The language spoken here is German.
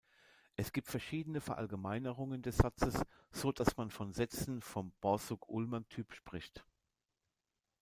Es gibt verschiedene Verallgemeinerungen des Satzes, so dass man von Sätzen vom Borsuk-Ulam-Typ spricht.